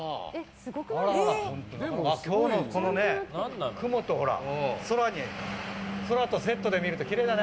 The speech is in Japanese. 今日のこのね、雲と空に空とセットで見るときれいだね。